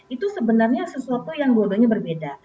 itu sebenarnya sesuatu yang bodohnya berbeda